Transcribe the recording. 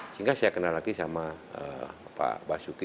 sehingga saya kenal lagi sama pak basuki